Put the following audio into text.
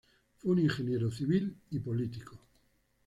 Fue un ingeniero civil y político.